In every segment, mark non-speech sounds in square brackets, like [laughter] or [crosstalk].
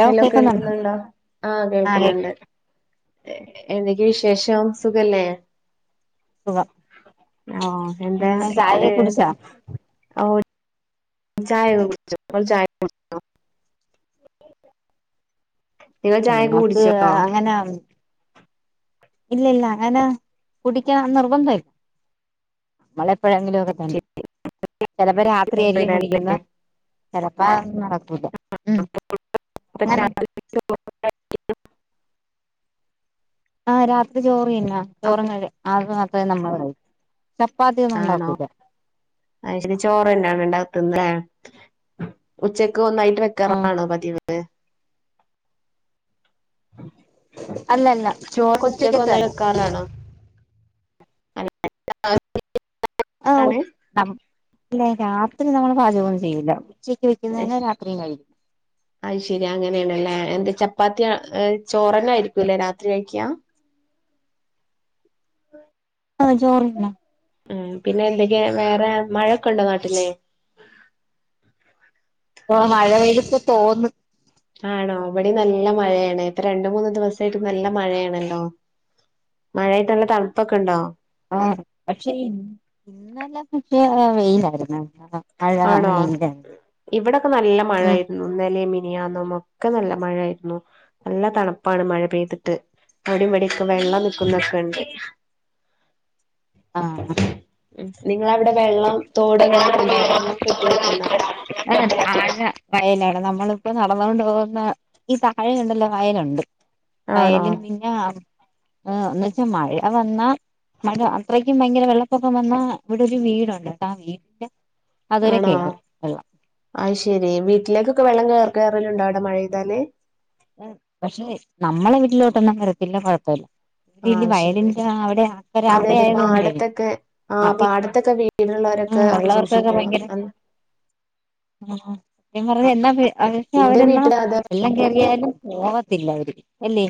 Hello കേൾക്കുന്നുണ്ടോ ആഹ് കേൾക്കുന്നുണ്ട് എതൊക്കെ വിശേഷം സുഖല്ലേ സുഖം ആഹ് എന്തേ പിന്നെ ചായയൊക്കെ ഏ കുടിച്ചാ ഓ ചായൊക്കെ കുട്ച്ചോ മോള് ചായ കുടിച്ചോ നമ്മക്ക് കുടിച്ചോ അങ്ങനെയാണ് ഇല്ല ഇല്ല അങ്ങനെ കുടിക്കണം നിർബന്ധല്ല മ്മളപ്പഴെങ്കിലുക്കെ തന്നണ്ട് ചെലപ്പോ രാത്രിയായിരിക്കും കുടിക്കുന്നെ ചെലപ്പോ നടക്കൂല്ല ഉം അങ്ങനെ [unintelligible] ആഹ് രാത്രി ചോറ് തിന്നാ, ചോർ തിന്നല് അത് അത്ര നമ്മൾ [unintelligible] ചപ്പാത്തി ഒന്നും ഇണ്ടാക്കൂല്ല. ആയിശേരി ചോറ് തെന്നെ ആണോ ഇണ്ടാ തിന്നല് ഏ ഉച്ചക്ക് ഒന്നായിട്ട് ആഹ് വെക്കാറാണോ പതിവ് ഏ അല്ലല്ല ചോറൊക്കെ ഉച്ചക്ക് ഉച്ചക്കത്തല്ല ഒന്നായിട്ട് വെക്കാറാണോ [unintelligible] ആഹ് ആണ് ഉം [unintelligible] രാത്രി നമ്മള് പാചകം ഒന്നും ചെയുല്ല വെക്കുന്നതന്നെ രാത്രിയും കഴിക്കും. ആയിശേരി അങ്ങനെണല്ലേ എന്താ ചപ്പാത്തി ഏ ചോറന്നെ ആയിരിക്കൂല്ലേ രാത്രി കഴിക്കാ ആഹ് ചോറുന്ന ഉം പിന്നെ എന്തൊക്കെ വേറെ മഴ ഒക്കെണ്ടോ നാട്ടില് ഓ മഴ പെയ്ത് ഇപ്പോ തോർന്ന് ആണോ ഇവിടിം നല്ല മഴയാണ് ഇപ്പോ രണ്ട് മൂന്ന് ദിവസായിട്ട് നല്ല മഴയാണല്ലോ മഴയിട്ട് നല്ല തണുപ്പൊകേണ്ടോ ആഹ് പക്ഷെ ഇന്നെലെ പക്ഷേ വെയിലായിരുന്നുട്ടൊ ആണോ ഇവിടൊക്കെ നല്ല മഴായിരുന്നു ഇന്നലേം മിനിയാന്നും ഒക്കെ നല്ല മഴയായിരുന്നു നല്ല തണുപ്പാണ് മഴ പെയ്തിട്ട് അവിടിം ഇവിടൊക്കെ വെള്ളം നിക്കുനോക്കണ്ട് ആഹ് ഉം നിങ്ങളവിടെ വെള്ളം തോട് അങനെയൊകെയുണ്ടോ വെള്ളം കെട്ടി നിക്ക്ന്നാ [inaudible] ആ വയലാണ് നമ്മളിപ്പോ നടന്നോണ്ട് പോവുബോ ഈ താഴണ്ടല്ലോ വയലുണ്ട് ആണോ വയലും പിന്നെ ആഹ് എന്നുവച്ചാ മഴ വന്നാ എന്നാലും അത്രക്കും ഭയങ്കര വെള്ളപ്പൊക്കം വന്നാ ഇവിടെ ഒരു വീട്ടുണ്ട് ആ വീട്ടില് അതുവരെ കേറും ആയിശേരി വീട്ടിലേക്കൊക്കെ വെള്ളം കേറലുണ്ടോ അവിടെ മഴ പെയ്താല് പക്ഷെ നമ്മളെ വീട്ടിലോട്ടൊന്നും വരത്തില്ല കൊഴപ്പില്ല ആ [unintelligible] ശരി വയലിന്റെ അവിടെ അക്കരെ അതെ അവിടെ അതെ ആയത്കൊണ്ടേ ആ വീട്ടിലുള്ളോരൊക്കെ സൂക്ഷിക്കണം ത്യം പറഞ്ഞ എന്നാ എന്റെ അവരന്നാ വീട്ടില് അത് വെള്ളം കേറിയാൽ [inaudible] പോവത്തില്ല അവര് എല്ലേ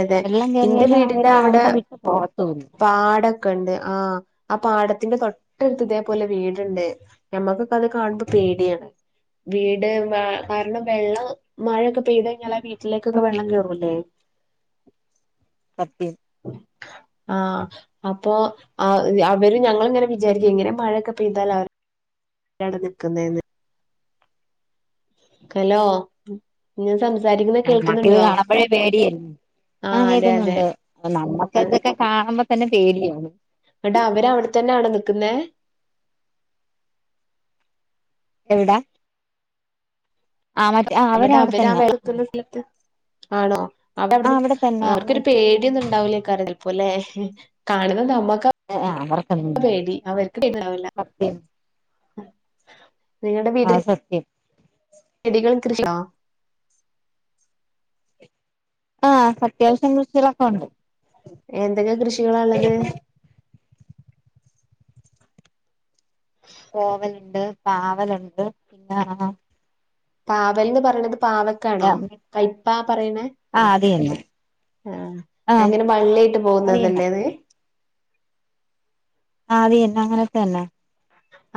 അതെ വെള്ളം എന്റെ കേറിയാലും വീടിന്റെ അവര് അവിടെ അവടെ വിട്ട് പോവത്തുല്ലാ പാടൊക്കെ ഉണ്ട് ആഹ ആ പാടത്തിന്റെ തൊട്ടടുത്തതേപലെ വീടുണ്ട് ഞമ്മക്കുപ്പോ അത് കാണുമ്പോ പേടിയാണ് വീട് മ കാരണം വെള്ളം മഴയൊക്കെ പെയ്ത ഇങ്ങളെ വീട്ടിലേക്കൊക്കെ വെള്ളം കേറൂല്ലേ സത്യേ [inaudible] ആഹ് അപ്പോ ആഹ് അവര് ഞങ്ങളിങ്ങനെ വിചാരിക്കു ഇങ്ങനെ മഴക്കെ പെയ്താൽ അവ എവിടെ നിക്കുന്നെന്ന് ഹലോ ഞാൻ സംസാരിക്കുന്നത് നമ്മക്ക് ഇത് കേൾക്കുന്നുണ്ടോ കാണുമ്പോഴേ പേടിയല്ലേ ആ ആഹ അതെ അതെ കേൾക്കുന്നുണ്ട് നമ്മുക്ക് അ ഇതൊക്കെ കാണുമ്പോ തന്നെ പേടിയാണ് എന്നിട്ട് അവര് അവിടെത്തന്നെയാണോ നിൽക്കുന്ന എവിടാ ആ മറ്റേ ആ അവര് ന്നട്ട് ആ അവിടെത്തന്നെ വെള്ളം നിക്കുന്ന സ്ഥലത്ത് ആണോ അവ അവിടുന്ന് അവിടെ തന്നെ അവർക്കൊരു പേടിയൊന്ന ണ്ടാവുലെക്കപ്പോ അല്ലെ കാണുന്നത് അമ്മക്ക ആഹ് അവർക്കൊന്നും പേടി അവർക്ക് പേടിണ്ടാവില്ല സത്യം ആഹ സത്യം ചെടികളും കൃഷോ ആഹ അത്യാവശ്യം കൃഷികളൊക്കെ ഉണ്ട് എന്തൊക്കെ കൃഷികള ഉള്ളത് കോവലുണ്ട് പാവലുണ്ട് പിന്നെ പാവൽന്ന് പറയണത് പാവക്കാണോ കയ്‌പ്പാ പറയണ ആഹ അത തന്നെ ആഹ ആഹ് അങ്ങനെ പള്ളിയായിട്ട് അത് തന്നെ പോകുന്നതല്ലേത് ആ അതന്നെ അങ്ങനെത്ത തന്നെ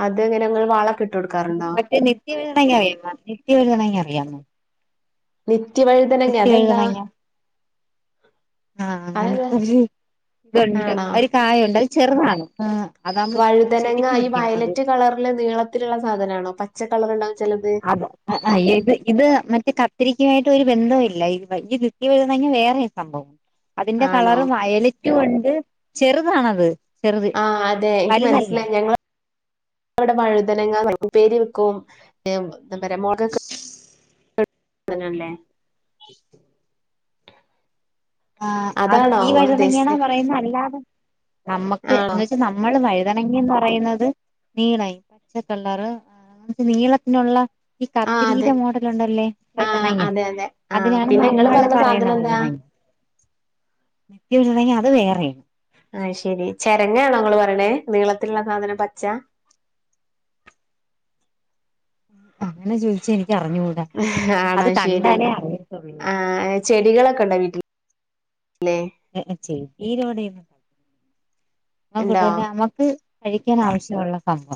അത്ങ്ങനെ ങ്ങൾ വള കിട്ട മറ്റേ നിത്യവഴതമെങ്ക അിയാ നിത്യവഴതണ അറിയാമോ നിത്യവഴുതനങ്ങ നിത്യം അതെന്താ ആഹ അതെന്താ അങ്ങനത്തെ ഒരു ഇത്ണ്ട് ആണോ ഒരു കായുണ്ട് അത് ചെറുതാണ് ആ വഴുതനങ്ങ ഈ വയലറ്റ് കളറില് നീളത്തിലുള്ള സാധന ആണോ പച്ച കളർ ഉണ്ടാവും ചിലത് അത ഇത് ഇത് മറ്റേ കത്തിരിക്കുമായിട്ട് ഒരു ബന്ധവും ഇല്ല ഈ നിത്യ വഴുതഞങ്ങ വേറെ സംഭവം അതിന്റെ ആണോ? കളർ വയലറ്റും ഉണ്ട് ചെറുതാണത് ചെറുത് ആ് അതെ എനിക്ക് വലുതല്ല മനസ്സിലായി ഞങ്ങ ഇവിടെ വഴുതനങ്ങ ഇപ്പേരി വെക്കും എന്താ പറയാ മുള [unintelligible] വഴുതന ല്ലേ [inaudible] ആ് അ അതാണോ ഈ വയുതണങ്ങണെ ഇങ്ങളുദ്ദേശിച്ചെ? പറയുന്ന അല്ലാതെ നമ്മുക്ക് എ ആണോ? വെച്ചാ നമ്മള് വഴുതണങ്ങിന്ന് പറയുന്നത് നീളായി പച്ചക്കള്ളർ ഇദ് നീളത്തിനുള്ള ഈ ആഹ് കത്രീത അതെ. മോഡൽ ഉണ്ടല്ലേ വായുതന ആഹ് അതെ അതെ. ആഹ് അതിനാണ് പിന്നെ ഇങ്ങള് നമ്മൾ പറഞ്ഞ പറയുന്ന സാധനെന്താ? വയുതനങ്ങ നിത്യ വായുതന അത് വേറെയാണ് ആഹ ശെരി ചരങ്ങണെ നിങ്ങൾ പറയണേ നീളത്തിലുള്ള സാധനം പച്ച അങ്ങനെ ചോദിച്ചാ എനിക്ക് അറിഞ്ഞുകൂടാ ആണാ അത് ശരി കണ്ടാലേ എന്നാ അറിയത്തുള്ളൂ ആഹ ചെടികളൊക്കെ ഉണ്ടോ വീട്ടിൽല്ലെ ചെടി ഈരോടെ ഇണ്ടോ? കട്ടന്നെ നമ്മക്ക് കഴിക്കാൻ ആവശ്യമുള്ള കപ്പ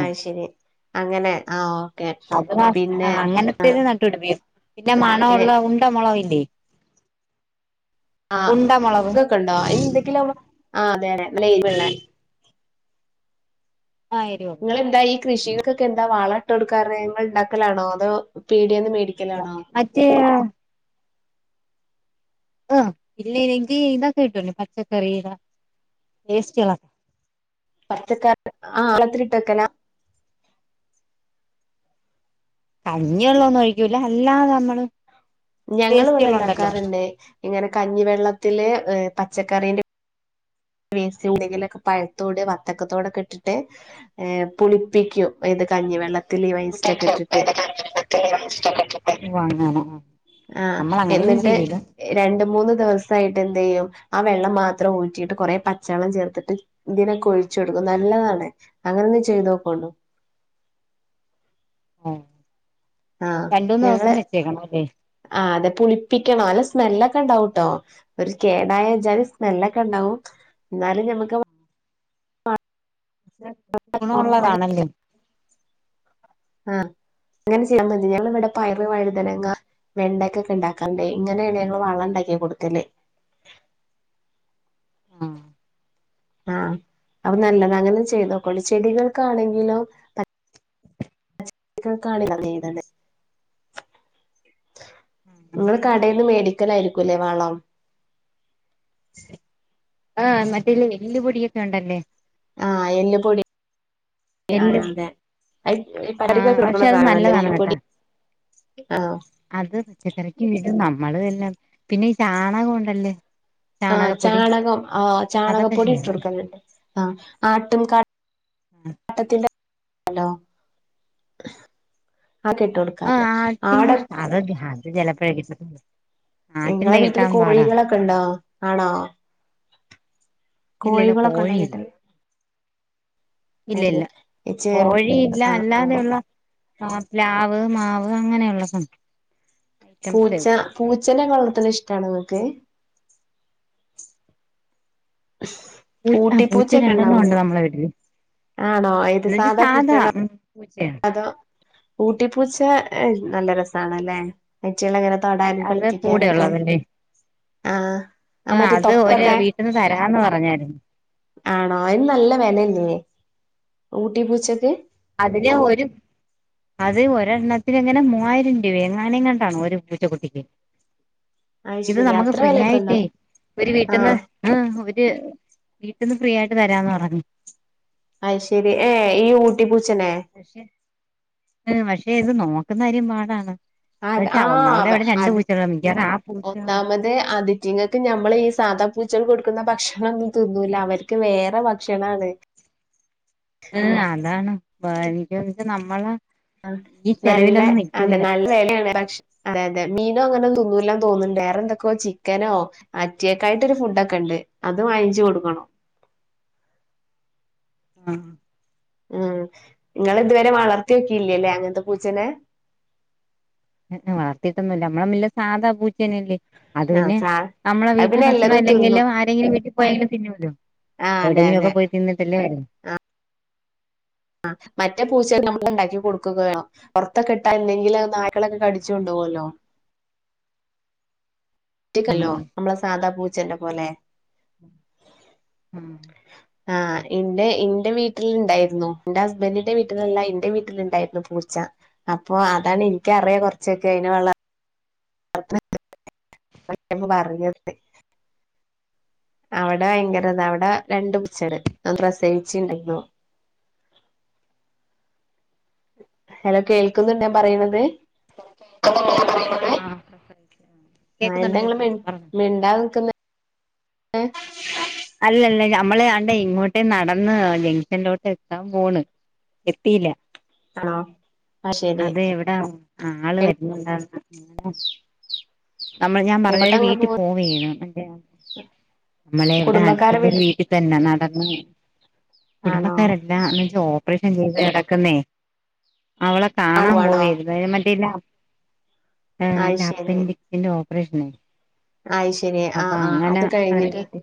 ആ ശരി അങ്ങനെ ആഹ ഓക്കെ അത് പിന്നെ ആഹ് ആ അങ്ങനത്തേത് നട്ടുപിടിപ്പിക്കും പിന്നെ മണ ഉള്ള ഉണ്ട മുളക് ഇല്ലേ ആ് അതൊക്കെ ഉണ്ടോ അയ്ന് എന്തെങ്കിലും ആ അതെന്നെ ലൈവ് ഇള്ളെ.. ആയിരോ എന്താ ഈ കൃഷക്കെ എന്താ വാള ഇട്ട കൊടുക്കാർ നിങ്ങൾ ഇണ്ടാക്കലാണോ അതോ പിടിയന്ന് മേടി മറ്റേ ആഹ് ഇല്ലീലേങ്കി ഇതൊക്കെ കിട്ടോല്ലോ പച്ചക്കറിയില വേസ്റ്റ്കളൊക്കെ പച്ചക്കറി ആ വെള്ളത്തിലിട്ട് വെക്കല കണ്ണിവെള്ളാന്നും ഒഴിക്കൂല അല്ലാതെ നമ്മള് ഞങ്ങൾ ഇവിടെ വേസ്റ്റുകളുണ്ടല്ലോ ഉണ്ടാക്കാറുണ്ട് ഇങ്ങനെ കഞ്ഞിവെള്ളത്തില് പച്ചക്കറീന്റെ വെ വേസി എന്ധെങ്കിലൊക്കെ പഴത്തോട് വത്തക്കത്തോടൊക്കെ ഇട്ടിട്ട് ഏ പുളിപ്പിക്കും ഏത് കഞ്ഞിവെള്ള. [unintelligible] [inaudible] നമ്മൾ അങ്ങനെയൊന്നും ചെയുല്ല.. രണ്ട മൂന്ന് ദിവസ ആയിട്ട് എന്ത് ചെയ്യും ആ വെള്ളം മാത്രം ഊറ്റിയിട്ട് കുറെ പച്ചവെള്ളം ചേർത്തിട്ട്.. ഇതിനൊക്കെ ഒഴിച്ചു കൊടുക്കും നല്ലതാണ് അങ്ങനെ ഒന്ന് ചെയ്തു നോക്കോണ്ടു. ഉം ആഹ ഞങ്ങള് ആ അതെ പുളിപ്പിക്കണം നല്ല സ്മെല്ലൊക്കെ ഉണ്ടാവുട്ടോ. ഒരു കേടായ ഒജാതി സ്മെല്ലൊക്കെ ഉണ്ടാവും ന്നാലും ഞമ്മക്ക്. ഗുണമുള്ളതാണല്ലേ. ആഹ അങ്ങനെ ചൈതാ മതി ഞങ്ങളിവിടെ പയറ് വഴുതനങ്ങ.. വെണ്ടക്കൊക്കെ ഉണ്ടാക്കാർന്ണ്ടെ ഇങ്ങനെയാണ് ഞങ്ങള് വളം ഇണ്ടാക്കി കൊടുക്കല്.. ഉം.. ആഹ അപ്പൊ നല്ലത അങ്ങനെ ചെയ്തുകൊണ്ടി ചെടികൾക്കാണെങ്കിലും.. [unintelligible] ഇങ്ങൾ.. കടേന്ന് മേടിക്കലായിരിക്കൂല്ലേ വളം.. ആ മറ്റേ എല്ല് പൊടിയൊക്കെ ഉണ്ടല്ലേ. ആഹ് എല്ല് പൊടി. ആ എല്ലും അതെ [unintelligible] ആഹ് പക്ഷെ അത് സാധനം ആണല്ലേ നല്ലതാണ് എല്ല് കേട്ടാ പൊടി.. ആഹാ അത് പച്ചക്കറിക്ക് ഇടും നമ്മള് പിന്നെ ഈ ചാണകം ഉണ്ടല്ലേ.. ആഹ് ചാണകപ്പൊടി ചാണകം ആ അതൊക്കെ ചാണകപ്പൊടി ഇട്ട് ചേർക്കും കൊടുക്കറുണ്ട് ആ ആട്ടും കാട്ടം [unintelligible] ത്തി ന്റെ. ഹലോ [unintelligible] ഇട്ട് ആഹ് കൊടുക്കാല്ലേ ആട്ടിൻ കഷ്ടം അത് ചെലപ്പേ കിട്ടത്തൊള്ളൂ ഇങ്ങളെ വീട്ടില് കോഴികളൊക്കെ ഉണ്ടോ ആണോ. ഇല്ലല്ലോ കോഴികളൊക്കെ ഉണ്ടോ കോഴിയില്ല വീട്ടിൽ. ഇല്ല ഇല്ല ഇച്ച് കോഴി ഇല്ല ആഹ് ആഹ് അല്ലാതെയുള്ള. ആ പ്ലാവ് മാവ് അങ്ങനെയുള്ള സ.. പൂച്ച പൂച്ചനെ ഒക്കെ വളർത്തുന്നത് ഇഷ്ടാണോ ഇങ്ങക്ക്. [inaudible] പൂച്ച ആ പൂച്ച ഊട്ടിപ്പൂച്ചൊക്കെ രണ്ടെണ്ണം ഉണ്ട് ഉണ്ടാവൂലേ നമ്മളെ വിട്ടില് ആണോ ഏത് എന്ന് വെച്ച് സാധാ.. പൂച്ചയാണോ പൂച്ചയാണ്‌. അതോ ഊട്ടിപ്പൂച്ച നല്ല രസണല്ലേ ഐറ്റി ങ്ങളെങ്ങനെ. അത് പൂട ഉള്ളതല്ലേ.. ആഹ് ആ മറ്റേ അത് ഒരു തൊപ്പൊക്കെ വീട്ടിൽന്ന് തരാന്ന് പറഞ്ഞായിരുന്നു.. ആണോ അതിന് നല്ല വെല ഇല്ലെ ഊട്ടി പൂച്ചക്ക്. അതിലെ ഒരു. അത് ഒരെണ്ണത്തിന് എങ്ങനെ മൂവായിരം രൂപയ എങ്ങാന എങ്ങാണ്ടാണ് ഒരു പൂച്ച കുട്ടിക്ക്.. ഇത് അയ്ശരി നമുക്ക് അത്ര ഫ്രീ വെലൊക്കെ ഉണ്ടോ ആയിട്ടേ ഒരു വീട്ടിൽന്ന്.. ആഹ് ആ അവര് വീട്ടിൽന്ന് ഫ്രീ ആയിട്ട് തരാന്ന് പറഞ്ഞു. അഹ് ശെരി ഏ ഈ ഊട്ടിപ്പൂച്ചനെ. പക്ഷെ പക്ഷെ ഇത് നോക്കുന്ന കാര്യം പാടാണ്.. അ എന്നുവെച്ചാ ആ ഒന്നാമത് അവിടെ രണ്ട് ആത് പൂച്ചകളാ മിക്കവാറും ആ പൂച്ചകള് ഒന്നാമത് ആതി അറ്റിങ്ങൾക്ക് നമ്മൾ ഈ സാദാപ്പൂച്ചകൾക്ക് കൊടുക്കുന്ന ഭക്ഷണൊന്നും തിന്നൂല അവർക്ക് വേറെ ഭക്ഷണമാണ്.. ഏഹ് അതാണ് [unintelligible] ച്ചാ നമ്മള.. ആ നല്ല അതെ നല്ല വെലെണ് പക്ഷെ.. അതെ അതെ മീനും അങ്ങനെ ഒന്നും തിന്നുലാ തോന്നുണ്ട് വേറെ എന്തൊക്കെയോ ചിക്കനോ. അറ്റിങ്ങാക്കായിട്ടൊരു ഫുഡ്‌ ഒക്കെ ഉണ്ട് അത് വാങ്ങിച്ചു കൊടുക്കണം.. ആഹ. ഉം നിങ്ങൾ ഇതുവരെ വളർത്തിയൊക്കിയില്ലല്ലേ അങ്ങനത്തെ പൂച്ചേനെ ആ് വളർത്തിയിട്ടൊന്നുമല്ല നമ്മമ്മ സാധാ പൂച്ചേനല്ലേ അത് ആഹ് പിന്നെ സാ നമ്മളെ അത് വീട്ടില് പിന്നെ ഭക്ഷണ എല്ലതും തിന്നും ഇല്ലെങ്കിലും ആരെങ്കിലും വിട്ടിൽ പ്പോയലും തിന്നല്ലോ ആഹ് അതെ അതെ എവിടെങ്കിലുംക്കെ പോയി തിന്നട്ടെ ലെ ആ മറ്റേ പൂച്ചൽ നമ്മൾ ഉണ്ടാക്കി കൊടുക്കുകയോ വേണം പൊറത്തൊക്കെ ഇട്ടാല്ലേങ്കിലത് നായ്കളൊക്കെ കടിച്ച് കൊണ്ടോവല്ലോ റ്റിക്കല്ലോ ആഹ് നമ്മളെ സാദാ പൂച്ചന്റെ പോലെ ആഹ് ആഹ് ഇന്റെ ഇന്റെ വീട്ടില്ണ്ടായിരുന്നു ഇന്റെ ഹസ്ബൻഡിന്റെ വീട്ടിലല്ല ഇന്റെ വീട്ടില്ണ്ടായിരുന്നു പൂച്ച അപ്പൊ അതാണ് ഇനിക്കറിയ കൊറച്ചൊക്കെ അയിനെ വള [unintelligible] പറഞ്ഞത് അവടെ ഭയങ്കരതാ അവിടെ രണ്ടു പൂച്ചേര് അത് പ്രസവിച്ച്ണ്ടായിരുന്നു ഹലോ കേൾക്കുന്നുണ്ടോ ഞാൻ പറിണത് ആഹ് ആഹ് എന്താ ഇങ്ങള് മി പറഞ്ഞോ മിണ്ടാതെ നിക്ക്ന്നേ അല്ലല്ല നമ്മള് ആണ്ടേ ഇങ്ങോട്ട് നടന്ന് ജംഗ്ഷനിലോട്ട് എത്താൻ പോണ് എത്തിയില്ല ആണോ ആഹ് ശരി അത് എവിടാ ആള് വരുന്നുണ്ടോന്ന് ഇങ്ങനെ നമ്മള് ഞാൻ പറഞ്ഞ എങ്ങോട്ടാ ഒരു ഇങ്ങള് വീട്ടി പോ പോവേണ് അന്റെ നമ്മളെ അട്ത്ത്ള്ളോര് വീട്ടി തന്നെ നടന്ന് ആണോ കുടുംബക്കാര ല്ല ഓപ്പറേഷൻ ചെയ്ത് കേടക്ക്ന്നേ അവളെ കാണാ ആണോ പോവേര് [unintelligible] ആഹ് അല്ല അപ്പൻഡിക്സിന്റെ ഓപ്പറേഷന് ആയ് ശെരി ആഹ് ആഹ് അത് അവരെ കഴിഞ്ഞിട്ട് വീട്ടിൽ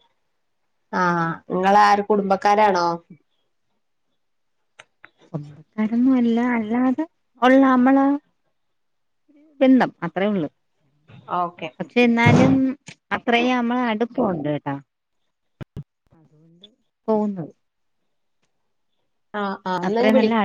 ആഹ് നിങ്ങളാര് കുടുംബക്കാരാണോ കുടുംബക്കാരോന്നുല്ല അല്ലാതെ ഉള്ള നമ്മളാ ബന്ധം അത്രേള്ളൂ ഓക്കെ പക്ഷെ എന്നാലും അത്രേയും നമ്മള് അട്പ്പം ഉണ്ട്ട്ടോ അതോണ്ട് പോവുന്നു ആഹ് ആഹ് ഇന്നഞ്ഞ് അത്രയും വിളി നല്ല